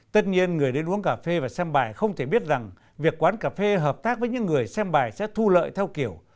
tất nhiên người đến uống cà phê và xem bài không thể biết rằng việc quán cà phê hợp tác với những người xem bài sẽ thu lợi theo kiểu